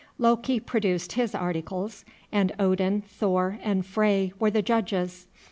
Loki produced his articles, and Odin, Thor, and Frey were the judges.